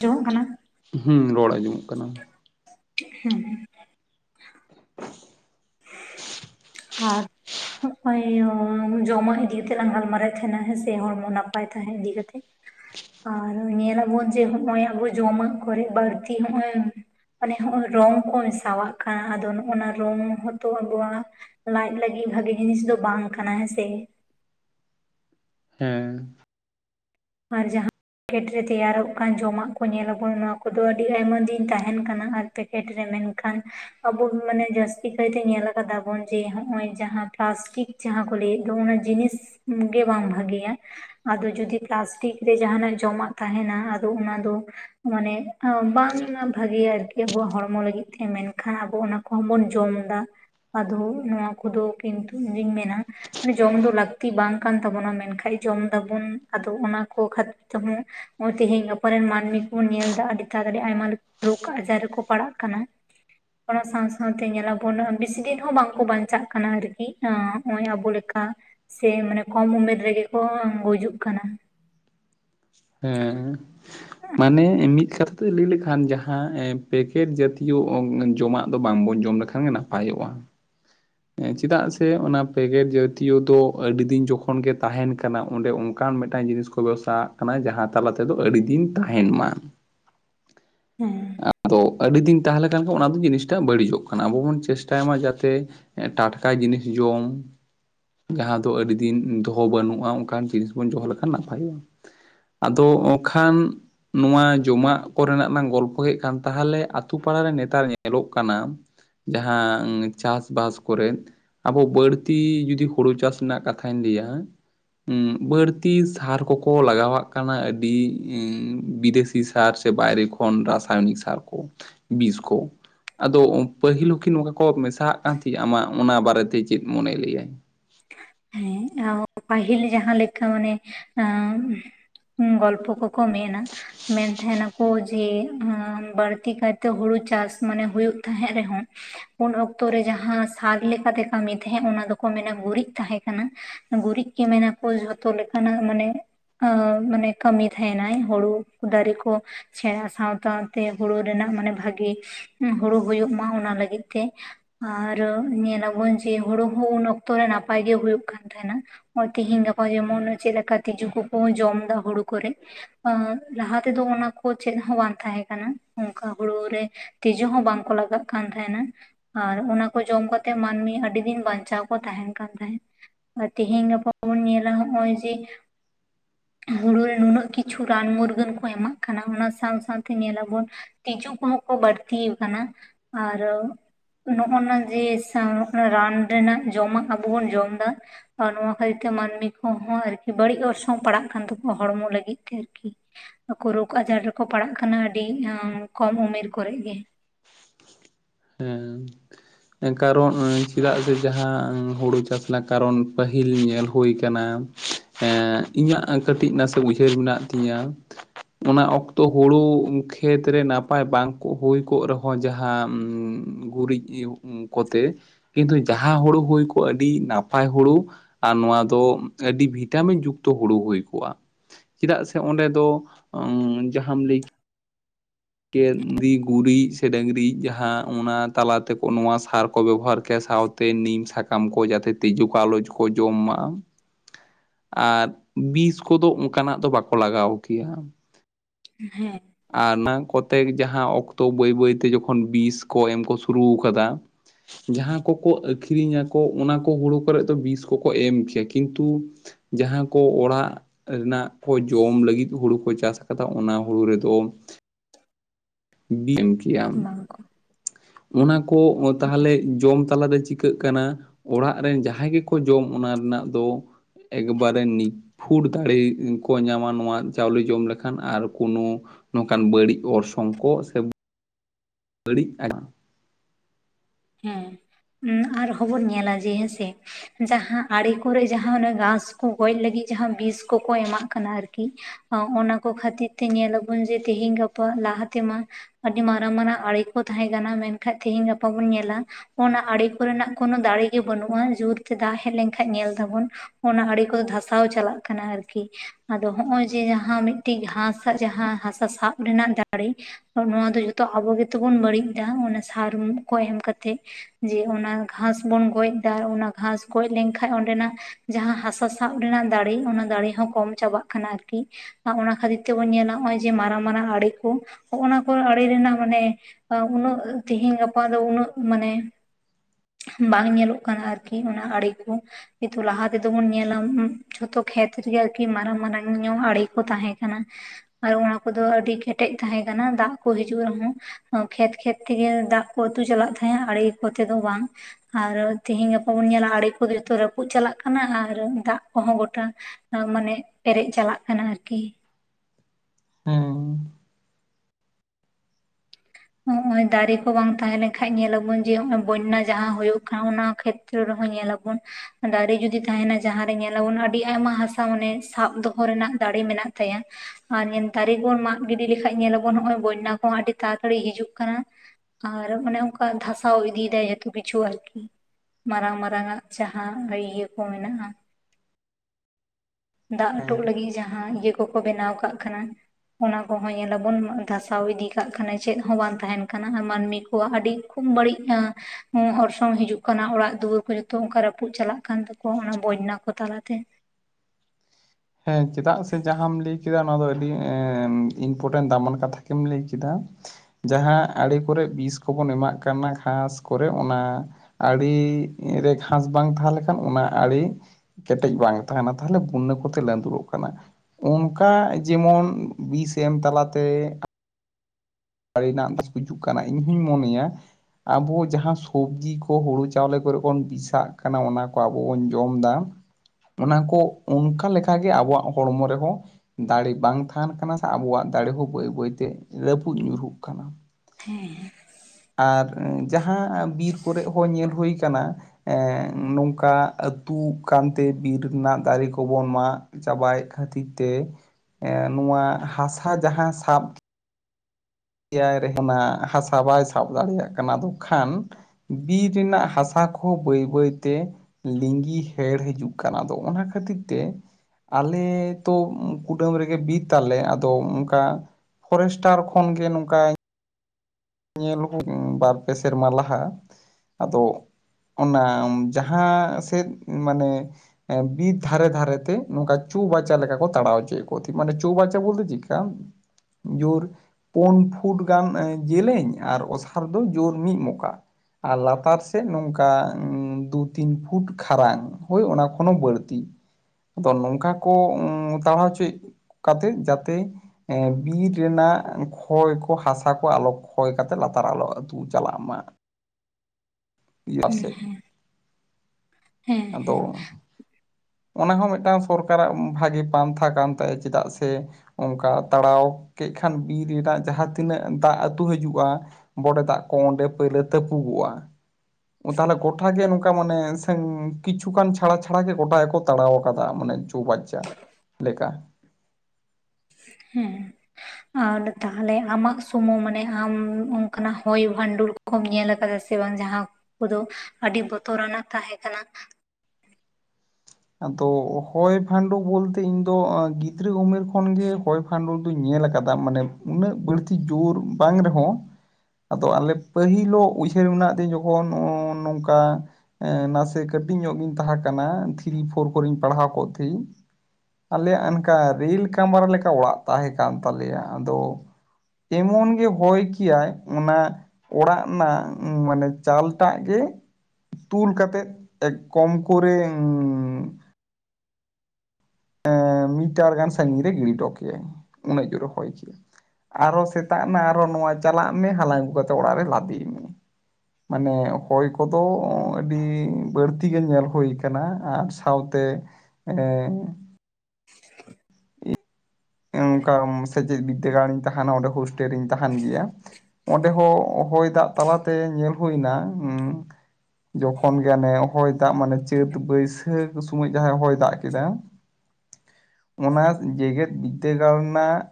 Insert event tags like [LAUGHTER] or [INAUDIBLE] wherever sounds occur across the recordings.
ᱟᱸᱡᱚᱢᱚᱜ ᱠᱟᱱᱟ ᱦᱩᱸ ᱨᱚᱲ ᱟᱸᱡᱚᱢᱚᱜ ᱠᱟᱱᱟ ᱦᱮᱸ [INAUDIBLE] ᱟᱨ ᱱᱚᱜᱼᱚᱭ ᱡᱚᱢᱟᱜ ᱤᱫᱤ ᱠᱟᱛᱮᱜ ᱞᱟᱝ ᱜᱟᱞᱢᱟᱨᱟᱣᱮᱫ ᱛᱟᱦᱮᱸᱱᱟ ᱦᱮᱸ ᱥᱮ ᱦᱚᱲᱢᱚ ᱱᱟᱯᱟᱭ ᱛᱟᱦᱮᱸ ᱤᱫᱤ ᱠᱟᱛᱮ ᱟᱨ ᱧᱮᱞᱟᱵᱚᱱ ᱡᱮ ᱦᱚᱸᱜᱼᱚᱭ ᱟᱵᱚ ᱡᱚᱢᱟᱜ ᱠᱚᱨᱮ ᱵᱟᱹᱲᱛᱤ ᱦᱚᱸᱜᱼᱚᱭ ᱢᱟᱱᱮ ᱦᱚᱸᱜ-ᱚᱭ ᱨᱚᱝ ᱠᱚ ᱢᱮᱥᱟᱣᱟᱜ ᱠᱟᱱᱟ ᱟᱫᱚ ᱱᱚᱜ-ᱚᱱᱟ ᱨᱚᱝ ᱦᱚᱸ ᱛᱚ ᱟᱵᱚᱣᱟᱜ ᱞᱟᱡ ᱞᱟᱹᱜᱤᱫ ᱵᱷᱟᱹᱜᱤ ᱡᱤᱱᱤᱥ ᱫᱚ ᱵᱟᱝ ᱠᱟᱱᱟ ᱦᱮᱸᱥᱮ ᱦᱮᱸ ᱟᱨ ᱡᱟᱦᱟᱸ ᱯᱮᱠᱮᱴ ᱨᱮ ᱛᱮᱭᱟᱨᱚᱜ ᱠᱟᱱ ᱡᱚᱢᱟᱜ ᱠᱚ ᱧᱮᱞ ᱟᱵᱚᱱ ᱱᱚᱣᱟ ᱠᱚᱫᱚ ᱟᱹᱰᱤ ᱟᱭᱢᱟ ᱫᱤᱱ ᱛᱟᱦᱮᱱ ᱠᱟᱱᱟ ᱟᱨ ᱯᱮᱠᱮᱴ ᱨᱮ ᱢᱮᱱᱠᱷᱟᱱ ᱟᱵᱚ ᱢᱟᱱᱮ ᱡᱟᱹᱥᱛᱤ ᱠᱟᱭᱛᱮ ᱧᱮᱞ ᱟᱠᱟᱫᱟ ᱵᱚᱱ ᱡᱮ ᱦᱚᱸᱜ-ᱚᱭ ᱡᱟᱦᱟᱸ ᱯᱞᱟᱥᱴᱤᱠ ᱡᱟᱦᱟᱸ ᱠᱚ ᱞᱟᱹᱭᱮᱫ ᱫᱚ ᱚᱱᱟ ᱡᱤᱱᱤᱥ ᱜᱮ ᱵᱟᱝ ᱵᱷᱟᱜᱮᱭᱟ ᱟᱫᱚ ᱡᱩᱫᱤ ᱯᱞᱟᱥᱴᱤᱠ ᱨᱮ ᱡᱟᱦᱟᱱᱟᱜ ᱡᱚᱢᱟᱜ ᱛᱟᱦᱮᱱᱟ ᱟᱫᱚ ᱚᱱᱟ ᱫᱚ ᱢᱟᱱᱮ ᱵᱟᱝ ᱵᱷᱟᱜᱮᱭᱟ ᱟᱨᱠᱤ ᱟᱵᱚᱣᱟᱜ ᱦᱚᱲᱢᱚ ᱞᱟᱹᱜᱤᱫ ᱛᱮ ᱢᱮᱱᱠᱷᱟᱱ ᱟᱵᱚ ᱚᱱᱟ ᱠᱚᱦᱚᱸ ᱵᱚᱱ ᱡᱚᱢ ᱮᱫᱟ ᱟᱫᱚ ᱱᱚᱣᱟ ᱠᱚᱫᱚ ᱠᱤᱱᱛᱩ ᱤᱧᱫᱩᱧ ᱢᱮᱱᱟ ᱡᱚᱢ ᱫᱚ ᱞᱟᱹᱠᱛᱤ ᱵᱟᱝ ᱠᱟᱱ ᱛᱟᱵᱳᱱᱟ ᱢᱮᱱᱠᱷᱟᱱ ᱡᱚᱢ ᱫᱟᱵᱚᱱ ᱟᱫᱚ ᱚᱱᱟ ᱠᱚ ᱠᱷᱟᱹᱛᱤᱨ ᱛᱮᱦᱚᱸ ᱦᱚᱸᱜ-ᱚᱭ ᱛᱮᱦᱮᱧ ᱜᱟᱯᱟ ᱨᱮᱱ ᱢᱟᱹᱱᱢᱤ ᱠᱚᱵᱚᱱ ᱧᱮᱞ ᱮᱫᱟ ᱟᱹᱰᱤ ᱛᱟᱲᱟ ᱛᱟᱲᱤ ᱟᱭᱢᱟ ᱨᱳᱜᱽ ᱟᱡᱟᱨ ᱨᱮᱠᱚ ᱯᱟᱲᱟᱜ ᱠᱟᱱᱟ ᱚᱱᱟ ᱥᱟᱶ ᱥᱟᱶᱛᱮ ᱧᱮᱞᱟᱵᱚᱱ ᱵᱮᱥᱤ ᱫᱤᱱ ᱦᱚᱸ ᱵᱟᱝ ᱠᱚ ᱵᱟᱧᱪᱟᱜ ᱠᱟᱱᱟ ᱟᱨᱠᱤ ᱱᱚᱜ ᱚᱭ ᱟᱵᱚ ᱞᱮᱠᱟ ᱥᱮ ᱢᱟᱱᱮ ᱠᱚᱢ ᱩᱢᱮᱨ ᱨᱮᱜᱮ ᱠᱚ ᱜᱩᱡᱩᱜ ᱠᱟᱱᱟ ᱦᱮᱸ ᱢᱟᱱᱮ ᱢᱤᱫ ᱠᱟᱛᱷᱟ ᱛᱮ ᱞᱟᱹᱭ ᱞᱮᱠᱷᱟᱱ ᱡᱟᱦᱟᱸ ᱯᱮᱠᱮᱴ ᱡᱟᱹᱛᱤᱭᱚ ᱡᱚᱢᱟᱜ ᱫᱚ ᱵᱟᱝᱵᱚᱱ ᱡᱚᱢ ᱞᱮᱠᱷᱟᱱ ᱜᱮ ᱱᱟᱯᱟᱭᱚᱜ-ᱟ ᱪᱮᱫᱟᱜ ᱥᱮ ᱚᱱᱟ ᱯᱮᱜᱮᱞ ᱡᱟᱹᱛᱤᱭᱚ ᱫᱚ ᱟᱹᱰᱤ ᱫᱤᱱ ᱡᱚᱠᱷᱚᱱ ᱜᱮ ᱛᱟᱦᱮᱱ ᱠᱟᱱᱟ ᱚᱸᱰᱮ ᱚᱱᱠᱟᱱ ᱢᱤᱫᱴᱟᱝ ᱡᱤᱱᱤᱥ ᱠᱚ ᱠᱚ ᱢᱮᱥᱟᱣᱟᱜ ᱠᱟᱱᱟ ᱡᱟᱦᱟᱸ ᱛᱟᱞᱟ ᱛᱮᱫᱚ ᱟᱹᱰᱤ ᱫᱤᱱ ᱛᱟᱦᱮᱱ ᱢᱟ ᱦᱮᱸ ᱟᱫᱚ ᱟᱹᱰᱤ ᱫᱤᱱ ᱛᱟᱦᱮ ᱞᱮᱠᱷᱟᱱ ᱜᱮ ᱚᱱᱟ ᱫᱚ ᱡᱤᱱᱤᱥᱴᱟᱜ ᱵᱟᱹᱲᱤᱡᱚᱜ ᱠᱟᱱᱟ᱾ ᱟᱵᱚ ᱵᱚᱱ ᱪᱮᱥᱴᱟᱭ ᱢᱟ ᱡᱟᱛᱮ ᱴᱟᱴᱠᱟ ᱡᱤᱱᱤᱥ ᱡᱚᱢ ᱡᱟᱦᱟᱸ ᱫᱚ ᱟᱹᱰᱤ ᱫᱤᱱ ᱫᱚᱦᱚ ᱵᱟᱹᱱᱩᱜᱼᱟ ᱚᱱᱠᱟᱱ ᱡᱤᱱᱤᱥ ᱵᱚᱱ ᱫᱚᱦᱚ ᱞᱮᱠᱷᱟᱱ ᱱᱟᱯᱟᱭᱚᱜᱼᱟ। ᱟᱫᱚ ᱚ ᱠᱷᱟᱱ ᱱᱚᱣᱟ ᱡᱚᱢᱟᱜ ᱠᱚᱨᱮᱱᱟᱜ ᱞᱟᱝ ᱜᱚᱞᱯᱷᱚ ᱮᱫ ᱠᱟᱱ ᱛᱟᱦᱟᱞᱮ ᱟᱛᱩ ᱯᱟᱲᱟᱨᱮ ᱱᱮᱛᱟᱨ ᱧᱮᱞᱚᱜ ᱠᱟᱱᱟᱼᱼ ᱡᱟᱦᱟᱸ ᱪᱟᱥᱵᱟᱥ ᱠᱚᱨᱮᱫ ᱟᱵᱚ ᱵᱟᱹᱲᱛᱤᱻ ᱡᱩᱫᱤ ᱦᱩᱲᱩ ᱪᱟᱥ ᱨᱮᱱᱟᱜ ᱠᱟᱛᱷᱟᱧ ᱞᱟᱹᱭᱟ। ᱩᱸ ᱵᱟᱹᱲᱛᱤ ᱥᱟᱨ ᱠᱚᱠᱚ ᱞᱟᱜᱟᱣᱟᱜ ᱠᱟᱱᱟ ᱤᱸ ᱟᱹᱰᱤ ᱵᱤᱫᱮᱥᱤ ᱥᱟᱨ ᱥᱮ ᱵᱟᱭᱨᱮ ᱠᱷᱚᱱ ᱨᱟᱥᱟᱭᱚᱱᱤᱠ ᱥᱟᱨ ᱠᱚ ᱵᱤᱥ ᱠᱚ ᱟᱫᱚ ᱯᱟᱹᱦᱤᱞ ᱦᱚᱸ ᱠᱤ ᱱᱚᱝᱠᱟ ᱠᱚ ᱢᱮᱥᱟᱦᱟᱜ ᱠᱟᱱ ᱛᱷᱤᱜ-ᱟ ᱟᱢᱟᱜ ᱚᱱᱟ ᱵᱟᱨᱮᱛᱮ ᱪᱮᱫ ᱢᱚᱱᱮ ᱞᱟᱹᱭᱟᱭ? ᱦᱮᱸ ᱟᱸ ᱯᱟᱹᱦᱤᱞ ᱡᱟᱦᱟᱸ ᱞᱮᱠᱟ ᱢᱟᱱᱮ ᱟᱸ ᱦᱩᱸ ᱜᱚᱞᱯᱚ ᱠᱚᱠᱚ ᱢᱮᱱᱟ ᱢᱮᱱ ᱛᱟᱦᱮᱸᱱᱟᱠᱚ ᱡᱮ ᱦᱚᱸ ᱵᱟᱹᱲᱛᱤ ᱠᱟᱭᱛᱮ ᱦᱩᱲᱩ ᱪᱟᱥ ᱢᱟᱱᱮ ᱦᱩᱭᱩᱜ ᱛᱟᱦᱮᱸᱫ ᱨᱮᱦᱚᱸ ᱩᱱ ᱚᱠᱛᱚ ᱨᱮ ᱡᱟᱦᱟᱸ ᱥᱟᱨ ᱞᱮᱠᱟᱛᱮ ᱠᱟᱹᱢᱤ ᱛᱟᱦᱮᱸᱫ ᱚᱱᱟ ᱫᱚᱠᱚ ᱢᱮᱱᱟ ᱜᱩᱨᱤᱡ ᱛᱟᱦᱮᱸ ᱠᱟᱱᱟ। ᱜᱩᱨᱤᱡ ᱠᱮ ᱢᱮᱱᱟ ᱠᱚ ᱡᱷᱚᱛᱚ ᱞᱮᱠᱟᱱᱟᱜ ᱢᱟᱱᱮ ᱟ ᱢᱟᱱᱮ ᱠᱟᱹᱢᱤ ᱛᱟᱦᱮᱸ ᱱᱟᱭ ᱦᱩᱲᱩ ᱫᱟᱨᱮ ᱠᱚ। ᱥᱮᱬᱟ ᱥᱟᱶ ᱥᱟᱶᱛᱮ ᱦᱩᱲᱩ ᱨᱮᱱᱟᱜ ᱢᱟᱱᱮ ᱵᱷᱟᱹᱜᱤ ᱦᱩᱲᱩ ᱦᱩᱭᱩᱜᱳ ᱢᱟ ᱚᱱᱟ ᱞᱟᱹᱜᱤᱫ ᱛᱮ। ᱟᱨ ᱧᱮᱞ ᱟᱵᱚᱱ ᱡᱮ ᱦᱳᱲᱳ ᱦᱚᱸ ᱩᱱ ᱚᱠᱛᱚ ᱨᱮ ᱱᱟᱯᱟᱭ ᱜᱮ ᱦᱩᱭᱩᱜ ᱠᱟᱱ ᱛᱟᱦᱮᱱᱟ। ᱛᱮᱦᱤᱧ ᱜᱟᱯᱟ ᱡᱮᱢᱚᱱ ᱪᱮᱫ ᱞᱮᱠᱟ ᱛᱤᱡᱩ ᱠᱚᱠᱚ ᱡᱚᱢ ᱫᱟ ᱦᱩᱲᱩ ᱠᱚᱨᱮ। ᱮᱸ ᱞᱟᱦᱟ ᱛᱮᱫᱚ ᱚᱱᱟ ᱠᱚ ᱪᱮᱫ ᱦᱚᱸ ᱵᱟᱝ ᱛᱟᱦᱮᱸ ᱠᱟᱱᱟ ᱚᱱᱠᱟ ᱦᱩᱲᱩ ᱨᱮ ᱛᱤᱡᱩ ᱦᱚᱸ ᱵᱟᱝᱠᱚ ᱞᱟᱜᱟᱜ ᱠᱟᱱ ᱛᱟᱦᱮᱱᱟ। ᱟᱨ ᱚᱱᱟ ᱠᱚ ᱡᱚᱢ ᱠᱟᱛᱮᱜ ᱢᱟᱹᱱᱢᱤ ᱟᱹᱰᱤ ᱫᱤᱱ ᱵᱟᱧᱪᱟᱣ ᱠᱚ ᱛᱟᱦᱮᱱ। ᱠᱟᱱ ᱛᱟᱦᱮᱸᱫ ᱟᱨ ᱛᱮᱦᱮᱧ ᱜᱟᱯᱟ ᱵᱚᱱ ᱧᱮᱞᱟ ᱦᱚᱸᱜ ᱚᱭ ᱡᱮ ᱦᱩᱲᱩ ᱨᱮ ᱱᱩᱱᱟᱹᱜ ᱠᱤᱪᱷᱩ ᱨᱟᱱ ᱢᱩᱨᱜᱟᱹᱱ ᱠᱚ ᱮᱢᱟᱜ ᱠᱟᱱᱟ᱾ ᱚᱱᱟ ᱥᱟᱶ ᱥᱟᱶᱛᱮ ᱧᱮᱞ ᱟᱵᱚᱱ ᱛᱤᱡᱩ ᱠᱚᱦᱚᱸ ᱠᱚ ᱵᱟᱹᱲᱛᱤ ᱟᱠᱟᱱᱟ᱾ ᱟᱨ ᱱᱚᱜ ᱱᱟ ᱡᱮ ᱥᱟᱶ ᱨᱟᱱ ᱨᱮᱱᱟᱜ ᱡᱚᱢᱟᱜ ᱟᱵᱚ ᱵᱚᱱ ᱡᱚᱢ ᱫᱟ ᱟᱨ ᱱᱚᱶᱟ ᱠᱷᱟᱹᱛᱤᱨ ᱛᱮ ᱢᱟᱹᱱᱢᱤ ᱠᱚᱦᱚᱸ ᱟᱨᱠᱤ ᱵᱟᱹᱲᱤᱡ ᱚᱨᱥᱚᱝ ᱦᱚᱸ ᱯᱟᱲᱟᱜ ᱠᱟᱱ ᱛᱟᱠᱚᱣᱟ᱾ ᱦᱚᱲᱢᱚ ᱞᱟᱹᱜᱤᱫ ᱛᱮ ᱟᱨᱠᱤ। ᱟᱠᱚ ᱨᱳᱜ ᱟᱡᱟᱨ ᱨᱮᱠᱚ ᱯᱟᱲᱟᱜ ᱠᱟᱱᱟ ᱟᱹᱰᱤ ᱟᱸ ᱠᱚᱢ ᱩᱢᱮᱨ ᱠᱚᱨᱮ ᱜᱮ। ᱦᱮᱸ ᱠᱟᱨᱚᱱ ᱪᱮᱫᱟᱜ ᱥᱮ ᱡᱟᱦᱟᱸ ᱦᱩᱲᱩ ᱪᱟᱥ [UNINTELLIGIBLE] ᱠᱟᱨᱚᱱ ᱯᱟᱹᱦᱤᱞ ᱧᱮᱞ ᱦᱩᱭ ᱠᱟᱱᱟ ᱮᱸᱻ ᱤᱧᱟᱹᱜ ᱠᱟᱹᱴᱤᱡ ᱱᱟᱥᱮ ᱩᱭᱦᱟᱹᱨ ᱢᱮᱱᱟᱜ ᱛᱤᱧᱟᱹ᱾ ᱚᱱᱟ ᱚᱠᱛᱚ ᱦᱩᱲᱩ ᱠᱷᱮᱛ ᱨᱮ ᱱᱟᱯᱟᱭ ᱵᱟᱝ ᱠᱚ ᱦᱩᱭ ᱠᱚᱜ ᱨᱮᱦᱚᱸ᱾ ᱡᱟᱦᱟᱸ ᱜᱩᱨᱤᱡ ᱠᱚᱛᱮ, ᱠᱤᱱᱛᱩ ᱡᱟᱦᱟᱸ ᱦᱩᱲᱩ ᱦᱩᱭ ᱠᱚᱜᱼᱟ ᱟᱹᱰᱤ ᱱᱟᱯᱟᱭ ᱦᱩᱲᱩ। ᱟᱨ ᱱᱚᱣᱟ ᱫᱚ ᱟᱹᱰᱤ ᱵᱷᱤᱴᱟᱢᱤᱱ ᱡᱩᱠᱛᱚ ᱦᱩᱲᱩ ᱦᱩᱭ ᱠᱚᱜᱼᱟ। ᱪᱮᱫᱟᱜ ᱥᱮ ᱚᱸᱰᱮ ᱫᱚ ᱚᱸᱻ ᱡᱟᱦᱟᱸᱢ ᱞᱟᱹᱭ ᱠᱮᱫ ᱫᱤ ᱜᱩᱨᱤᱡ ᱥᱮ ᱰᱟᱹᱝᱨᱤ ᱤᱡ ᱡᱟᱦᱟᱸ ᱚᱱᱟ ᱛᱟᱞᱟ ᱛᱮᱠᱚ ᱱᱚᱣᱟ ᱥᱟᱨ ᱠᱚ ᱵᱮᱵᱚᱦᱟᱨ ᱠᱮ ᱥᱟᱶᱛᱮ ᱱᱤᱢ ᱥᱟᱠᱟᱢ ᱠᱚ ᱡᱟᱛᱮ ᱛᱤᱡᱩ ᱠᱚ ᱟᱞᱚᱪ ᱠᱚ ᱡᱚᱢ ᱢᱟ। ᱟᱨ ᱵᱤᱥ ᱠᱚᱫᱚ ᱚᱱᱠᱟᱱᱟᱜ ᱫᱚ ᱵᱟᱠᱚ ᱞᱟᱜᱟᱣ ᱠᱮᱭᱟ। ᱦᱮᱸ ᱟᱨ ᱚᱱᱟ ᱠᱚᱛᱮᱠ ᱡᱟᱦᱟᱸ ᱚᱠᱛᱚ ᱵᱟᱹᱭ ᱵᱟᱹᱭᱛᱮ ᱡᱚᱠᱷᱚᱱ ᱵᱤᱥ ᱠᱚ ᱮᱢ ᱠᱚ ᱥᱩᱨᱩ ᱠᱟᱫᱟ ᱡᱟᱦᱟᱸ ᱠᱚᱠᱚ ᱟᱹᱠᱷᱨᱤᱧᱟᱠᱚ ᱚᱱᱟ ᱠᱚ ᱦᱩᱲᱩ ᱠᱚᱨᱮᱫ ᱫᱚ ᱵᱤᱥ ᱠᱚᱠᱚ ᱮᱢ ᱠᱮᱭᱟ। ᱠᱤᱱᱛᱩ ᱼᱼ ᱡᱟᱦᱟᱸ ᱠᱚ ᱚᱲᱟᱜ ᱨᱮᱱᱟᱜ ᱠᱚ ᱡᱚᱢ ᱞᱟᱹᱜᱤᱫ ᱦᱩᱲᱩ ᱠᱚ ᱪᱟᱥ ᱟᱠᱟᱫᱟ᱾ ᱚᱱᱟ ᱦᱩᱲᱩ ᱨᱮᱫᱚ ᱼᱼ [UNINTELLIGIBLE] ᱵᱤ ᱮᱢ ᱠᱤ [UNINTELLIGIBLE] ᱠᱚ ᱚᱱᱟ ᱠᱚ ᱛᱟᱦᱟᱞᱮ ᱡᱚᱢ ᱛᱟᱞᱟᱛᱮ ᱪᱤᱠᱟᱹᱜ ᱠᱟᱱᱟ? ᱚᱲᱟᱜ ᱨᱮᱱ ᱡᱟᱦᱟᱸᱭ ᱜᱮᱠᱚ ᱡᱚᱢ ᱚᱱᱟ ᱨᱮᱱᱟᱜ ᱫᱚ ᱮᱠᱵᱟᱨᱮ ᱱᱤ ᱯᱷᱩᱴ ᱫᱟᱲᱮ ᱠᱚ ᱧᱟᱢᱟ ᱱᱚᱣᱟ ᱪᱟᱣᱞᱮ ᱡᱚᱢ ᱞᱮᱠᱷᱟᱱ᱾ ᱟᱨ ᱠᱳᱱᱳ ᱱᱚᱝᱠᱟᱱ ᱵᱟᱹᱲᱤᱡ ᱚᱨᱥᱚᱝᱠᱚ ᱥᱮ ᱰᱟᱹᱲᱤᱡ [INAUDIBLE] ᱦᱮᱸ ᱟᱨᱦᱚᱸ ᱵᱚᱱ ᱧᱮᱞᱟ ᱡᱮ ᱦᱮᱸᱥᱮ ᱡᱟᱦᱟᱸ ᱟᱲᱮ ᱠᱚᱨᱮ ᱡᱟᱦᱟᱸ ᱜᱷᱟᱥ ᱠᱚ ᱜᱚᱡ ᱞᱟᱹᱜᱤᱫ ᱡᱟᱦᱟᱸ ᱵᱤᱥ ᱠᱚᱠᱚ ᱮᱢᱟᱜ ᱠᱟᱱᱟ ᱟᱨᱠᱤ ᱚᱱᱟ ᱠᱚ ᱠᱷᱟᱹᱛᱤᱨ ᱛᱮ ᱧᱮᱞ ᱟᱵᱚᱱ ᱡᱮ ᱛᱮᱦᱮᱧ ᱜᱟᱯᱟ ᱞᱟᱦᱟ ᱛᱮᱢᱟ ᱟᱹᱰᱤ ᱢᱟᱨᱟᱝ ᱢᱟᱨᱟᱝ ᱟᱲᱮ ᱠᱚ ᱛᱟᱦᱮᱸ ᱠᱟᱱᱟ ᱢᱮᱱᱠᱷᱟᱟᱱ ᱛᱮᱦᱤᱧ ᱜᱟᱯᱟ ᱵᱚᱱ ᱧᱮᱞ ᱚᱱᱟ ᱟᱲᱮ ᱠᱚᱨᱮᱱᱟᱜ ᱠᱳᱱᱚ ᱫᱟᱲᱮ ᱜᱮ ᱵᱟᱹᱱᱩᱜᱼᱟ ᱡᱳᱨᱛᱮ ᱫᱟᱜ ᱦᱮᱡ ᱞᱮᱱᱠᱷᱟᱡ ᱧᱮᱞ ᱫᱟᱵᱚᱱ ᱚᱱᱟ ᱟᱲᱮ ᱠᱚᱫᱚ ᱫᱷᱟᱥᱟᱣ ᱪᱟᱞᱟᱜ ᱠᱟᱱᱟ ᱟᱨᱠᱤ ᱟᱫᱚ ᱦᱚᱜ ᱚᱭ ᱡᱮ ᱡᱟᱦᱟᱸ ᱢᱤᱫᱴᱤᱡ ᱜᱷᱟᱥᱟᱜ ᱡᱟᱦᱟᱸ ᱦᱟᱥᱟ ᱥᱟᱵ ᱨᱮᱱᱟᱜ ᱫᱟᱲᱮ ᱱᱚᱶᱟ ᱫᱚ ᱡᱚᱛᱚ ᱟᱵᱚᱛᱵᱚᱱ ᱵᱟᱹᱲᱤᱡ ᱮᱫᱟ ᱚᱱᱟ ᱥᱟᱨ ᱠᱚ ᱮᱢ ᱠᱟᱛᱮ ᱛᱮ ᱡᱮ ᱚᱱᱟ ᱜᱷᱟᱥ ᱵᱚᱱ ᱜᱚᱡ ᱮᱫᱟ ᱚᱱᱟ ᱜᱷᱟᱥ ᱜᱚᱡ ᱞᱮᱱᱠᱷᱟᱡ ᱚᱸᱰᱮᱱᱟᱜ ᱡᱟᱦᱟᱸ ᱦᱟᱥᱟ ᱥᱟᱵ ᱨᱮᱱᱟᱜ ᱫᱟᱲᱮ ᱚᱱᱟ ᱫᱟᱲᱮ ᱦᱚᱸ ᱠᱚᱢ ᱪᱟᱵᱟᱜ ᱠᱟᱱᱟ ᱟᱨᱠᱤ ᱟᱨ [INAUDIBLE] ᱚᱱᱟ ᱠᱷᱟᱹᱛᱤᱨ ᱛᱮᱵᱚᱱ ᱧᱮᱞᱟ ᱱᱚᱜᱼᱚᱭ ᱡᱮ ᱢᱟᱨᱟᱝ ᱢᱟᱨᱟᱝ ᱟᱲᱮ ᱠᱚ᱾ ᱦᱚᱜᱼ ᱚᱱᱟ ᱠᱚ ᱟᱲᱮ ᱨᱮᱱᱟᱜ ᱢᱟᱱᱮ ᱼᱼ ᱩᱱᱟᱹᱜ ᱛᱮᱦᱮᱤᱧ ᱜᱟᱯᱟ ᱫᱚ ᱩᱱᱟᱹᱜ ᱢᱟᱱᱮ ᱵᱟᱝ ᱧᱮᱞᱚᱜ ᱠᱟᱱᱟ ᱟᱨᱠᱤ ᱚᱱᱟ ᱟᱲᱮ ᱠᱚ ᱱᱤᱛᱚᱜ ᱞᱟᱦᱟ ᱛᱮᱫᱚ ᱵᱚᱱ ᱧᱮᱞᱟ ᱡᱷᱚᱛᱚ ᱠᱷᱮᱛ ᱨᱮᱜᱮ ᱟᱨᱠᱤ ᱢᱟᱨᱟᱝ ᱢᱟᱨᱟᱝ ᱧᱚᱜ ᱟᱲᱮ ᱠᱚ ᱛᱟᱦᱮᱸ ᱠᱟᱱᱟ ᱟᱨ ᱚᱱᱟ ᱠᱚᱫᱚ ᱟᱹᱰᱤ ᱠᱮᱴᱮᱡ ᱛᱟᱦᱮᱸ ᱠᱟᱱᱟ ᱫᱟᱜ ᱠᱚ ᱦᱤᱡᱩᱜ ᱨᱮᱦᱚᱸ ᱠᱷᱮᱛ ᱠᱷᱮᱛ ᱛᱮᱜᱮ ᱫᱟᱜ ᱠᱚ ᱩᱛᱩ ᱪᱟᱞᱟᱜ ᱛᱟᱦᱮᱸᱦᱱᱟ ᱟᱲᱮ ᱠᱚᱛᱮ ᱫᱚ ᱵᱟᱝ ᱟᱨ ᱛᱮᱤᱦᱤᱧ ᱜᱟᱯᱟ ᱵᱚᱱ ᱧᱮᱞᱟ ᱟᱲᱮ ᱠᱚ ᱡᱚᱛᱚ ᱨᱟᱹᱯᱩᱫ ᱪᱟᱞᱟᱜ ᱠᱟᱱᱟ ᱟᱨ ᱫᱟᱜ ᱠᱚᱦᱚᱸ ᱜᱚᱴᱟ ᱢᱟᱱᱮ ᱯᱮᱨᱮᱡ ᱪᱟᱞᱟᱜ ᱠᱟᱱᱟ ᱟᱨᱠᱤ ᱦᱮᱸ ᱱᱚᱜ ᱚᱭ ᱫᱟᱨᱮ ᱠᱚ ᱵᱟᱝ ᱛᱟᱦᱮᱸ ᱞᱮᱱᱠᱷᱟᱱᱡ ᱧᱮᱞ ᱟᱵᱚᱱ ᱡᱮᱱᱚ-ᱚᱭ ᱵᱚᱱᱱᱟ ᱡᱟᱦᱟᱸ ᱦᱩᱭᱩᱜ ᱠᱟᱱᱟ ᱚᱱᱟ ᱠᱷᱮᱛᱨᱚ ᱨᱮᱦᱚᱸ ᱧᱮᱞᱟᱵᱚᱱ ᱫᱟᱨᱮ ᱡᱩᱚᱫᱤ ᱛᱟᱦᱮᱱᱟ ᱡᱟᱦᱟᱸᱨᱮ ᱧᱮᱞᱟᱵᱚᱱ ᱟᱹᱰᱤ ᱟᱭᱢᱟ ᱦᱟᱥᱟ ᱢᱟᱱᱮ ᱥᱟᱵ ᱫᱚᱦᱚ ᱨᱮᱱᱟᱜ ᱫᱟᱨᱮ ᱢᱮᱱᱟᱜ ᱛᱟᱭᱟ ᱟᱨ ᱫᱟᱨᱮ ᱠᱚᱵᱚᱱ ᱢᱟᱜ ᱜᱤᱰᱤ ᱞᱮᱠᱟᱱᱡ ᱧᱮᱞ ᱟᱵᱚᱱ ᱱᱚᱜ ᱵᱚᱱᱱᱟ ᱦᱚᱸᱚᱸ ᱟᱹᱰᱤ ᱛᱟᱨ ᱛᱟᱹᱲᱤ ᱦᱤᱡᱩᱜ ᱠᱟᱱᱟ ᱟᱨ ᱢᱟᱱᱮ ᱚᱱᱠᱟ ᱫᱷᱟᱥᱟᱣ ᱤᱫᱤᱭᱮᱫᱟᱭ ᱡᱷᱚᱛᱚ ᱠᱤᱪᱷᱩ ᱟᱨᱠᱤ ᱢᱟᱨᱟᱝ ᱢᱟᱨᱟᱝ ᱟᱜ ᱡᱟᱦᱟᱸ ᱤᱭᱟᱹ ᱠᱚ ᱢᱮᱱᱟᱜᱼᱟ ᱫᱟᱜ ᱦᱚᱴᱵ ᱞᱟᱹᱜᱤᱫ ᱡᱟᱦᱟᱸ ᱤᱭᱟᱹ ᱠᱚᱠᱚ ᱵᱮᱱᱟᱣ ᱠᱟᱜ ᱠᱟᱱᱟ ᱚᱱᱟ ᱠᱚᱦᱚᱸ ᱧᱮᱞᱟᱵᱚᱱ ᱫᱷᱟᱥᱟᱣ ᱤᱫᱤ ᱠᱟᱜ ᱠᱟᱱᱟ ᱪᱮᱫ ᱦᱚᱸ ᱵᱟᱝ ᱛᱟᱦᱮᱱ ᱠᱟᱱᱟ ᱟᱨ ᱢᱟᱹᱱᱢᱤ ᱠᱚᱣᱟᱜ ᱟᱹᱰᱤ ᱠᱷᱩᱵ ᱵᱟᱹᱲᱤᱡ ᱚ ᱚᱨᱥᱚᱝ ᱦᱤᱡᱩᱜ ᱠᱟᱱᱟ ᱚᱲᱟᱜ ᱫᱩᱣᱟᱹᱨ ᱠᱚ ᱡᱚᱛᱚ ᱚᱱᱠᱟ ᱨᱟᱹᱯᱩᱫ ᱪᱟᱞᱟᱜ ᱠᱟᱱ ᱛᱟᱠᱚᱣᱟ ᱚᱱᱟ ᱵᱚᱱᱱᱟ ᱠᱚ ᱛᱟᱞᱟᱛᱮ ᱦᱮᱸ ᱪᱮᱫᱟᱜ ᱥᱮ ᱡᱟᱦᱟᱸᱢ ᱞᱟᱹᱭ ᱠᱮᱫᱟ ᱚᱱᱟ ᱫᱚ ᱟᱹᱰᱤ ᱤᱢᱯᱴᱮᱱᱴ ᱫᱟᱢᱟᱱ ᱠᱟᱛᱷᱟ ᱜᱮᱢ ᱞᱟᱹᱭ ᱠᱮᱫᱟ ᱡᱟᱦᱟᱸ ᱟᱲᱮ ᱠᱚᱨᱮᱮᱫ ᱵᱤᱥ ᱠᱚᱵᱚᱱ ᱮᱢᱟᱜ ᱠᱟᱱᱟ ᱜᱷᱟᱥ ᱠᱚᱨᱮ ᱚᱱᱟ ᱟᱲᱮ ᱨᱮ ᱜᱷᱟᱥ ᱵᱟᱝ ᱛᱟᱦᱮᱸ ᱞᱮᱠᱷᱟᱱ ᱚᱱᱟ ᱟᱲᱮ ᱠᱮᱴᱮᱡ ᱵᱟᱝ ᱛᱟᱦᱮᱱᱟ ᱛᱟᱦᱚᱞᱮ ᱵᱚᱱᱱᱟ ᱠᱚᱛᱮ ᱞᱟᱱᱫᱩᱬᱚᱜ ᱠᱟᱱᱟ ᱚᱱᱠᱟ ᱡᱮᱢᱚᱱ ᱵᱤᱥ ᱮᱢ ᱛᱟᱞᱟᱛᱮ ᱫᱮ ᱨᱮᱱᱟᱜ [UNINTELLIGIBLE] ᱜᱩᱡᱩᱜ ᱠᱟᱱᱟ ᱤᱧ ᱦᱚᱧ ᱢᱚᱱᱮᱭᱟ ᱟᱵᱚ ᱡᱟᱦᱟᱸ ᱥᱚᱵᱡᱤ ᱠᱚ ᱦᱩᱲᱩ ᱪᱟᱣᱞᱮ ᱠᱚᱨᱮ ᱵᱚᱱ ᱵᱤᱥᱟᱜ ᱠᱟᱱᱟ ᱚᱱᱟ ᱠᱚ ᱟᱵᱚ ᱵᱚᱱ ᱡᱚᱢ ᱮᱫᱟ ᱚᱱᱟ ᱠᱚ ᱚᱱᱠᱟ ᱞᱮᱠᱟᱜᱮ ᱟᱵᱚᱣᱟᱜ ᱦᱚᱲᱢᱚ ᱨᱮᱦᱚᱸ ᱫᱟᱲᱮ ᱵᱟᱝ ᱛᱟᱦᱮᱱ ᱠᱟᱱᱟ ᱥᱮ ᱟᱵᱚᱣᱟᱜ ᱫᱟᱲᱮ ᱦᱚᱸ ᱵᱟᱹᱭ ᱵᱟᱹᱭᱛᱮ ᱨᱟᱹᱯᱩᱫ ᱧᱩᱨᱦᱩᱜ ᱠᱟᱱᱟ ᱦᱮᱸ ᱟᱨ ᱡᱟᱸᱦᱟᱸ ᱵᱤᱨ ᱠᱚᱨᱮᱜ ᱦᱚᱸ ᱧᱮᱞ ᱦᱩᱭ ᱟᱠᱟᱱᱟ ᱱᱚᱝᱠᱟ ᱟᱹᱛᱩᱜ ᱠᱟᱱᱛᱮ ᱵᱤᱨ ᱨᱮᱱᱟᱜ ᱫᱟᱨᱮ ᱠᱚᱵᱚᱱ ᱢᱟᱜ ᱪᱟᱵᱟᱭᱮᱫ ᱠᱷᱟᱹᱛᱤᱨ ᱛᱮ ᱱᱚᱣᱟ ᱦᱟᱥᱟ ᱡᱟᱦᱟᱸ ᱥᱟᱵ [UNINTELLIGIBLE] ᱚᱱᱟ ᱦᱟᱥᱟ ᱵᱟᱭ ᱥᱟᱵ ᱫᱟᱲᱮᱭᱟᱜ ᱠᱟᱱᱟ ᱫᱚ ᱠᱷᱟᱱ ᱵᱤᱨ ᱨᱮᱱᱟᱜ ᱦᱟᱥᱟ ᱠᱚᱦᱚ ᱵᱟᱹᱭ ᱵᱟᱹᱭᱛᱮ ᱞᱤᱸᱜᱤ ᱦᱮᱲ ᱦᱤᱡᱩᱜ ᱠᱟᱱᱟ ᱟᱫᱚ ᱚᱱᱟ ᱠᱷᱟᱹᱛᱤᱨ ᱛᱮ ᱟᱞᱮ ᱛᱚ ᱠᱩᱰᱟᱹᱢ ᱨᱮᱜᱮ ᱵᱤᱨᱛᱟᱞᱮ ᱟᱫᱚ ᱚᱱᱠᱟ ᱯᱷᱚᱨᱮᱥᱴᱟᱨ ᱠᱷᱚᱱᱜ ᱱᱚᱝᱠᱟ ᱧᱮᱞ ᱦᱚᱸ ᱵᱟᱨᱯᱮ ᱥᱮᱨᱢᱟ ᱞᱟᱦᱟ ᱟᱫᱚ ᱚᱱᱟ ᱡᱟᱦᱟᱸ ᱥᱮᱫ ᱢᱟᱱᱮ ᱵᱤᱨ ᱫᱷᱟᱨᱮ ᱫᱷᱟᱨᱮᱛᱮ ᱱᱚᱝᱠᱟ ᱪᱳᱣ ᱵᱟᱪᱪᱟ ᱞᱮᱠᱟ ᱠᱚ ᱛᱟᱲᱟᱣ ᱦᱚᱪᱚᱭᱮᱫ ᱠᱚ ᱛᱟᱦᱮ ᱢᱟᱱᱮ ᱪᱳᱣ ᱵᱟᱪᱪᱟ ᱵᱚᱞᱛᱮ ᱪᱮᱫᱠᱟ ᱡᱳᱨ ᱯᱩᱱ ᱯᱷᱩᱴ ᱜᱟᱱ ᱮᱸᱻ ᱡᱮᱞᱮᱧ ᱟᱨ ᱚᱥᱟᱨ ᱫᱚ ᱡᱳᱨ ᱢᱤᱫ ᱢᱚᱠᱟ ᱟᱨ ᱞᱟᱛᱟᱨ ᱥᱮᱫ ᱱᱚᱝᱠᱟ ᱩᱸᱻ ᱫᱩ ᱛᱤᱱ ᱯᱷᱩᱴ ᱠᱷᱟᱨᱟᱝ ᱦᱳᱭ ᱚᱱᱟ ᱠᱷᱚᱱ ᱦᱚᱸ ᱵᱟᱹᱲᱛᱤ ᱟᱫᱚ ᱱᱚᱝᱠᱟ ᱠᱚ ᱯᱟᱲᱦᱟᱣ ᱦᱚᱪᱚᱭᱮᱫ ᱠᱟᱛᱮᱫ ᱡᱟᱛᱮ ᱵᱤᱨ ᱨᱮᱱᱟᱜ ᱠᱷᱚᱭ ᱠᱚ ᱦᱟᱥᱟ ᱠᱚ ᱟᱞᱚ ᱦᱚᱭ ᱠᱟᱛᱮᱜ ᱞᱟᱛᱟᱨ ᱟᱞᱚ ᱟᱹᱛᱩ ᱪᱟᱞᱟᱜ ᱢᱟ᱾ ᱦᱮᱸ ᱞᱟᱥᱮᱫ ᱦᱮᱸ ᱦᱮᱸ ᱚᱱᱟ ᱦᱚᱸ ᱢᱤᱫᱴᱟᱝ ᱥᱚᱨᱠᱟᱨᱟᱜ ᱵᱷᱟᱹᱜᱮ ᱯᱟᱱᱛᱷᱟ ᱠᱟᱱ ᱛᱟᱭᱟ ᱪᱮᱫᱟᱜ ᱥᱮ᱾ ᱚᱱᱠᱟ ᱛᱟᱲᱟᱣ ᱠᱮᱫ ᱠᱷᱟᱱ ᱵᱤᱨ ᱨᱮᱱᱟᱜ ᱡᱟᱦᱟᱸ ᱛᱤᱱᱟᱹᱜ ᱫᱟᱜ [INAUDIBLE] ᱟᱹᱛᱩ ᱦᱤᱡᱩᱜᱼᱟ ᱵᱚᱰᱮ ᱫᱟᱜ ᱠᱚ ᱚᱸᱰᱮ ᱯᱳᱭᱞᱟᱹ ᱛᱟᱹᱯᱩᱜᱚᱜᱼᱟ, ᱛᱟᱦᱚᱞᱮ ᱜᱚᱴᱟ ᱜᱮ ᱱᱚᱝᱠᱟ ᱢᱟᱱᱮ ᱠᱤᱪᱷᱩᱩᱜᱟᱱ ᱪᱷᱟᱲᱟ ᱪᱷᱟᱲᱟ ᱜᱮ ᱜᱚᱴᱟ ᱜᱮᱠᱚ ᱛᱟᱲᱟᱣ ᱟᱠᱟᱫᱟ ᱢᱟᱱᱮ, ᱦᱩ ᱵᱟᱪᱟ ᱞᱮᱠᱟ᱾ ᱦᱩᱸ ᱟᱨ ᱛᱟᱦᱞᱮ ᱟᱢᱟᱜ ᱥᱩᱢᱩ ᱢᱟᱱᱮ ᱟᱢ ᱚᱝᱠᱟᱱᱟᱜ ᱦᱚᱭ ᱵᱷᱟᱱᱰᱳ ᱠᱚᱢ ᱧᱮᱞ ᱟᱠᱟᱫᱟ ᱥᱮ ᱵᱟᱝ ᱡᱟᱦᱟᱸ ᱠᱚᱫᱚ ᱟᱹᱰᱤ ᱵᱚᱛᱚ ᱨᱟᱱᱟᱜ ᱛᱟᱦᱮᱸ ᱠᱟᱱᱟ᱾ ᱟᱫᱚ ᱦᱚᱭ ᱵᱷᱟᱱᱰᱚ ᱵᱚᱞᱛᱮ ᱤᱧ ᱫᱚ ᱜᱤᱫᱽᱨᱟᱹ ᱩᱢᱮᱨ ᱠᱷᱚᱱ ᱜᱮ ᱦᱚᱭ ᱠᱷᱟᱱᱰᱩ ᱫᱚᱧ ᱧᱮᱞ ᱠᱟᱫᱟ ᱢᱟᱱᱮ ᱩᱱᱟᱹᱜ ᱵᱟᱹᱲᱛᱤ ᱡᱳᱨ ᱵᱟᱝ ᱨᱮᱦᱚᱸ᱾ ᱟᱫᱚ ᱟᱞᱮ ᱯᱟᱹᱦᱤᱞᱚᱜ ᱩᱭᱦᱟᱹᱨ ᱢᱮᱱᱟᱜ ᱛᱤᱧ ᱡᱚᱠᱷᱚᱱ ᱱᱚᱝᱠᱟ ᱮᱸᱻ ᱱᱟᱥᱮ ᱠᱟᱹᱴᱤᱡ ᱧᱚᱜ ᱜᱤᱧ ᱛᱟᱦᱮᱸ ᱠᱟᱱᱟ ᱛᱷᱨᱤ ᱯᱷᱳᱨ ᱠᱚᱨᱮᱧ ᱯᱟᱲᱦᱟᱣ ᱠᱚᱜ ᱛᱟᱦᱤᱧ ᱟᱞᱮᱭᱟᱜ ᱚᱱᱠᱟ ᱨᱮᱹᱞ ᱠᱟᱢᱨᱟ ᱞᱮᱠᱟ ᱚᱲᱟᱜ ᱛᱟᱦᱮᱸ ᱠᱟᱱ ᱛᱟᱞᱮᱭᱟ ᱟᱫᱚ ᱡᱮᱢᱚᱱ ᱜᱮ ᱵᱚᱭ ᱠᱮᱭᱟᱭ ᱚᱱᱟ ᱚᱲᱟᱜ ᱨᱮᱱᱟᱜ ᱢᱟᱱᱮ ᱪᱟᱞᱴᱟᱜ ᱜᱮ᱾ ᱛᱩᱞ ᱠᱟᱛᱮᱫ ᱮᱠ ᱠᱚᱢ ᱠᱚᱨᱮ ᱩᱸᱻᱻ ᱮᱫ ᱢᱤᱫ ᱡᱟᱨ ᱜᱟᱱ ᱥᱟᱜᱤᱧ ᱨᱮ ᱜᱤᱲᱤ ᱡᱚᱴᱚ ᱠᱮ ᱩᱱᱟᱜ ᱡᱳᱲ ᱚᱠᱚᱭ᱾ ᱟᱨᱚ ᱥᱮᱛᱟᱜ ᱮᱱᱟ ᱟᱨᱚ ᱱᱚᱣᱟ ᱪᱟᱞᱟᱜ ᱢᱮ ᱦᱟᱞᱟᱝ ᱟᱹᱜᱩ ᱠᱟᱛᱮ ᱚᱲᱟᱜ ᱨᱮ ᱞᱟᱫᱮ ᱢᱮᱸ᱾ ᱢᱟᱱᱮ ᱦᱚᱭ ᱠᱚᱫᱚ ᱟᱹᱰᱤ ᱵᱟᱹᱲᱛᱤ ᱜᱮ ᱧᱮᱞ ᱦᱩᱭ ᱠᱟᱱᱟ ᱟᱨ ᱥᱟᱶᱛᱮ ᱮᱸᱻ ᱤ ᱚᱱᱠᱟ ᱥᱮᱪᱮᱫ ᱵᱤᱫᱽᱫᱟᱹᱜᱟᱲ ᱨᱤᱧ ᱛᱟᱦᱮᱱᱟ ᱚᱸᱰᱮ ᱦᱳᱥᱴᱮᱞ ᱨᱤᱧ ᱛᱟᱦᱮᱱ ᱜᱮᱭᱟ᱾ ᱚᱸᱰᱮ ᱦᱚᱸ ᱦᱚᱭ ᱫᱟᱜ ᱛᱟᱞᱟ ᱛᱮ ᱧᱮᱞ ᱦᱩᱭᱱᱟ ᱩᱸᱻ ᱡᱚᱠᱷᱚᱱ ᱜᱮ ᱟᱱᱮ ᱦᱚᱭ ᱫᱟᱜ ᱢᱟᱱᱮ ᱪᱟᱹᱛ ᱵᱟᱹᱭᱥᱟᱹᱠᱷ ᱥᱩᱢᱚᱭ ᱡᱟᱦᱟᱸᱭ ᱦᱚᱭ ᱫᱟᱜ ᱠᱮᱫᱟ᱾ ᱚᱱᱟ ᱡᱮᱜᱮᱫ ᱵᱤᱫᱽᱫᱟᱹ ᱛᱮ ᱜᱟᱲ ᱨᱮᱱᱟᱜ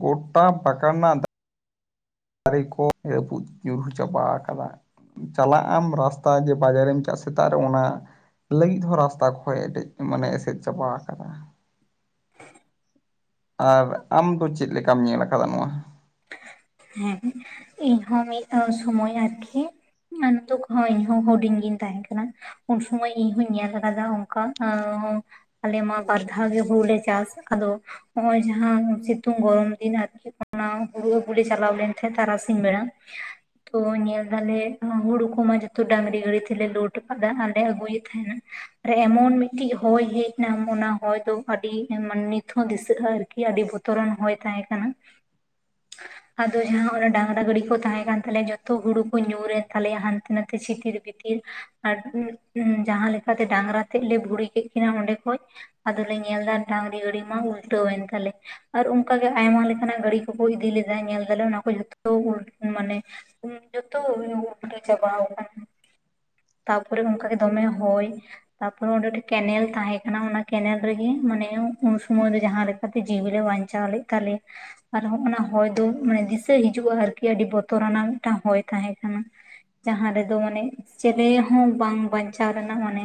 ᱜᱚᱴᱟ ᱯᱟᱠᱟ ᱨᱮᱱᱟᱜ ᱫᱟᱜ ᱫᱟᱨᱮ ᱠᱚ ᱨᱟᱹᱯᱩᱫ ᱧᱩᱨᱦᱩ ᱪᱟᱵᱟ ᱠᱟᱫᱟ ᱪᱟᱞᱟᱜ ᱟᱢ ᱨᱟᱥᱛᱟ ᱡᱮ ᱵᱟᱡᱟᱨᱮᱢ ᱪᱟᱜ ᱥᱮᱛᱟᱜ ᱨᱮ ᱚᱱᱟ ᱞᱟᱹᱜᱤᱫ ᱦᱚᱸ ᱨᱟᱥᱛᱟ ᱠᱷᱚᱡ ᱮᱴᱮᱫ ᱢᱟᱱᱮ ᱮᱥᱮᱫ ᱪᱟᱵᱟ ᱟᱠᱟᱫᱟ ᱟᱨ ᱟᱢ ᱫᱚ ᱪᱮᱫ ᱞᱮᱠᱟᱢ ᱧᱮᱞ ᱠᱟᱫᱟ ᱱᱚᱣᱟ᱾ ᱦᱮᱸ ᱤᱧᱦᱚᱸ ᱢᱤᱫ ᱥᱳᱢᱚᱭ ᱟᱨᱠᱤ᱾ ᱟᱨ ᱱᱤᱛᱳᱜ ᱠᱚ ᱦᱚᱸ ᱤᱧ ᱦᱚ ᱦᱩᱰᱤᱧ ᱜᱤᱧ ᱛᱟᱦᱮᱸ ᱠᱟᱱᱟ᱾ ᱩᱱ ᱥᱚᱢᱚᱭ ᱤᱧᱦᱚᱧ ᱧᱮᱞ ᱟᱠᱟᱫᱟ ᱚᱝᱠᱟ ᱮᱸᱻ ᱟᱞᱮ ᱢᱟ ᱵᱟᱨ ᱫᱷᱟᱣ ᱜᱮ ᱦᱩᱲᱩ ᱞᱮ ᱪᱟᱥ ᱟᱫᱚ᱾ ᱦᱚᱸᱜ-ᱚᱭ ᱡᱟᱦᱟᱸ ᱥᱤᱛᱩᱝ ᱜᱚᱨᱚᱢ ᱫᱤᱱ ᱟᱨᱠᱤ ᱚᱱᱟ ᱫᱩᱨᱜᱟᱹᱯᱩᱨ ᱤᱧ ᱪᱟᱞᱟᱣ ᱞᱮᱱ ᱠᱷᱟᱡ ᱛᱟᱨᱟᱥᱤᱧ ᱵᱮᱲᱟ ᱛᱚ ᱧᱮᱞ ᱫᱟᱞᱮ ᱦᱩᱲᱩ ᱠᱚᱢᱟ ᱡᱚᱛᱚ ᱰᱟᱝᱨᱤ ᱜᱟᱰᱤ ᱛᱮᱞᱮ ᱞᱳᱴ ᱟᱠᱟᱫᱟ ᱟᱨᱞᱮ ᱟᱹᱜᱩᱭᱮᱫ ᱛᱟᱦᱮᱸᱱᱟ᱾ ᱟᱨ ᱮᱢᱚᱱ ᱢᱤᱫᱴᱤᱡ ᱦᱚᱭ ᱦᱮᱡ ᱱᱟ ᱚᱱᱟ ᱦᱚᱭ ᱫᱚ ᱟᱹᱰᱤ ᱱᱤᱛ ᱦᱚᱸ ᱫᱤᱥᱟᱹᱜᱼᱟ ᱟᱨᱠᱤ ᱟᱹᱰᱤ ᱵᱚᱛ ᱛᱚᱨᱚᱱ ᱦᱚᱭ ᱛᱟᱦᱮᱸ ᱠᱟᱱᱟ᱾ ᱟᱫᱚ ᱡᱟᱦᱟᱸ ᱚᱱᱟ ᱰᱟᱝᱨᱟ ᱜᱟᱹᱰᱤ ᱠᱚ ᱛᱟᱦᱮᱸ ᱠᱟᱱ ᱛᱟᱞᱮᱭᱟ ᱡᱚᱛᱚ ᱦᱩᱲᱩ ᱠᱚ ᱧᱩᱨᱮᱱ ᱛᱟᱞᱮᱭᱟ ᱦᱟᱱᱛᱮ ᱱᱟᱛᱮ ᱪᱷᱤᱛᱤᱨ ᱵᱤᱛᱷᱤᱨ ᱟᱨ ᱡᱟᱦᱟᱸ ᱞᱮᱠᱟ ᱛᱮ ᱰᱟᱝᱨᱟ ᱛᱮᱫ ᱞᱮ ᱵᱷᱩᱲᱤ ᱠᱮᱫ ᱠᱤᱱᱟᱹ ᱚᱸᱰᱮ ᱠᱷᱚᱡ ᱟᱫᱚᱞᱮ ᱧᱮᱞ ᱫᱟ ᱰᱟᱝᱨᱤ ᱜᱟᱹᱰᱤ ᱢᱟ ᱩᱞᱴᱟᱹᱣ ᱮᱱ ᱛᱟᱞᱮ ᱟᱨ ᱚᱱᱠᱟᱜᱮ ᱟᱭᱢᱟ ᱞᱮᱠᱟᱱᱟᱜ ᱜᱟᱹᱲᱤ ᱠᱳᱠᱳ ᱤᱫᱤ ᱞᱮᱫᱟᱭ ᱧᱮᱞ ᱫᱟᱞᱮ ᱚᱱᱟ ᱠᱚ ᱡᱚᱛᱚ ᱩᱞ ᱢᱟᱱᱮ᱾ ᱡᱚᱛᱚ [UNINTELLIGIBLE] ᱪᱟᱵᱟᱣ ᱟᱠᱟᱱᱟ, ᱛᱟᱯᱚᱨᱮ ᱚᱱᱠᱟ ᱜᱮ ᱫᱚᱢᱮ ᱦᱚᱭ ᱛᱟᱯᱚᱨᱮ ᱚᱸᱰᱮ ᱢᱤᱫᱴᱮᱡ ᱠᱮᱱᱮᱞ ᱛᱟᱦᱮᱸ ᱠᱟᱱᱟ ᱚᱱᱟ ᱠᱮᱱᱮᱞ ᱨᱮᱜᱮ ᱢᱟᱱᱮ ᱩᱱ ᱥᱩᱢᱚᱭ ᱫᱚ ᱡᱟᱦᱟᱸ ᱠᱟᱛᱮ ᱡᱤᱣᱤ ᱞᱮ ᱵᱟᱧᱪᱟᱣ ᱞᱮᱫ ᱛᱟᱞᱮᱭᱟ᱾ ᱟᱨ ᱚᱜ-ᱱᱟ ᱦᱚᱭ ᱫᱚ ᱢᱟᱱᱮ ᱫᱤᱥᱟᱹ ᱦᱤᱡᱩᱜᱼᱟ ᱟᱨᱠᱤ ᱟᱹᱰᱤ ᱵᱚᱛᱚᱨᱟᱱᱟᱜ ᱢᱤᱫᱴᱟᱝ ᱦᱚᱭ ᱛᱟᱦᱮᱸ ᱠᱟᱱᱟ᱾ ᱡᱟᱦᱟᱸ ᱨᱮᱫᱚ ᱢᱟᱱᱮ ᱪᱮᱞᱮ ᱦᱚᱸ ᱵᱟᱝ ᱵᱟᱧᱪᱟᱣ ᱨᱮᱱᱟᱜ ᱢᱟᱱᱮ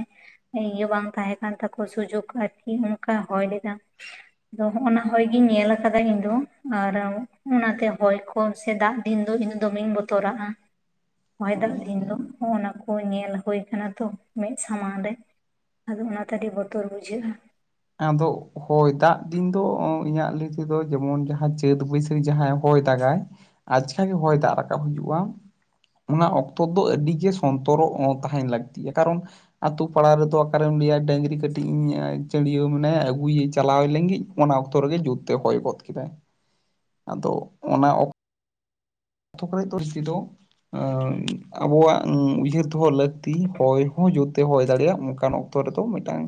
ᱤᱭᱟᱹ ᱵᱟᱝ ᱛᱟᱦᱮᱸ ᱠᱟᱱ ᱛᱟᱠᱚ ᱥᱩᱡᱳᱜ ᱟᱨᱠᱤ ᱚᱱᱠᱟ ᱦᱚᱭ ᱞᱮᱫᱟ᱾ ᱟᱫᱚ ᱦᱚᱸᱜ-ᱚᱱᱟ ᱦᱚᱭ ᱜᱤᱧ ᱧᱮᱞ ᱟᱠᱟᱫᱟ ᱤᱧ ᱫᱚ᱾ ᱟᱨ ᱚᱱᱟᱛᱮ ᱦᱚᱭ ᱠᱚ ᱥᱮ ᱫᱟᱜ ᱫᱤᱱ ᱫᱚ ᱤᱧ ᱫᱚ ᱫᱚᱢᱮᱧ ᱵᱚᱛᱚᱨᱟᱜᱼᱟ᱾ ᱦᱚᱭ ᱫᱟᱜ ᱫᱤᱱ ᱫᱚ ᱱᱚᱜ-ᱚᱱᱟ ᱠᱚ ᱧᱮᱞ ᱦᱳᱭ ᱟᱠᱟᱱᱟ ᱛᱚ ᱢᱮᱫ ᱥᱟᱢᱟᱝ ᱨᱮ᱾ ᱟᱫᱚ ᱚᱱᱟᱛᱮ ᱟᱹᱰᱤ ᱵᱚᱛᱚᱨ ᱵᱩᱡᱷᱟᱹᱜᱼᱟ ᱟᱫᱚ ᱦᱚᱭ ᱫᱟᱜ ᱫᱤᱱ ᱫᱚ ᱤᱧᱟᱹᱜ ᱞᱟᱹᱭ ᱛᱮ ᱫᱚ ᱡᱮᱢᱚᱱ ᱡᱟᱦᱟᱸ ᱪᱟᱹᱛ ᱵᱟᱹᱭᱥᱟᱹᱠᱷ ᱡᱟᱦᱟᱸ ᱦᱚᱭ ᱫᱟᱜᱟᱭ ᱟᱪᱠᱟ ᱜᱮ ᱦᱚᱭ ᱫᱟᱜ ᱨᱟᱠᱟᱵ ᱦᱤᱡᱩᱜᱼᱟ᱾ ᱚᱱᱟ ᱚᱠᱛᱚ ᱫᱚ ᱟᱹᱰᱤᱜᱮ ᱥᱚᱱᱛᱚᱨᱚᱜ ᱚᱸ ᱛᱟᱦᱮᱱ ᱞᱟᱹᱠᱛᱤᱭᱟ ᱠᱟᱨᱚᱱ ᱟᱛᱳ ᱯᱟᱲᱟ ᱨᱮᱫᱚ ᱚᱠᱟᱨᱮᱢ ᱞᱟᱹᱭᱟ ᱰᱟᱹᱝᱨᱤ ᱠᱟᱹᱴᱤᱡ ᱤᱧ ᱪᱟᱹᱰᱤᱭᱟᱹ ᱢᱟᱱᱮ ᱟᱹᱜᱩᱭᱭᱤᱧ ᱪᱟᱞᱟᱣ ᱞᱮᱱ ᱜᱤᱧ ᱚᱱᱟ ᱚᱠᱛᱚ ᱨᱮᱜᱮ ᱡᱩᱨ ᱛᱮ ᱦᱚᱭ ᱜᱚᱫ ᱠᱮᱫᱟᱭ᱾ ᱟᱫᱚ ᱚᱱᱟ ᱚᱠᱛᱚ [UNINTELLIGIBLE] ᱮᱸ ᱟᱵᱚᱣᱟᱜ ᱩᱭᱦᱟᱹᱨ ᱫᱚᱦᱚ ᱞᱟᱹᱠᱛᱤ ᱦᱚᱭ ᱦᱚᱸ ᱡᱳᱨ ᱛᱮ ᱦᱚᱭ ᱫᱟᱲᱮᱭᱟᱜ ᱚᱱᱠᱟᱱ ᱚᱠ ᱚᱠᱛᱚ ᱨᱮᱫᱚ ᱢᱤᱫᱴᱟᱝ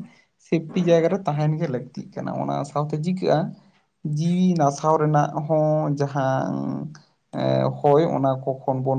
ᱥᱮᱯᱴᱤ ᱡᱟᱭᱜᱟ ᱨᱮ ᱛᱟᱦᱮᱱ ᱜᱮ ᱞᱟᱹᱠᱛᱤᱜ ᱠᱟᱱᱟ ᱚᱱᱟ ᱥᱟᱶᱛᱮ ᱪᱤᱠᱟᱹᱜᱼᱟ, ᱡᱤᱣᱤ ᱱᱟᱥᱟᱣ ᱨᱮᱱᱟᱜ ᱦᱚᱸ ᱡᱟᱦᱟᱸ ᱮᱸ ᱦᱚᱭ ᱚᱱᱟ ᱠᱚ ᱠᱷᱚᱱ ᱵᱚᱱ